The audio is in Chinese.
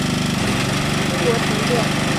这项工程由中国承建。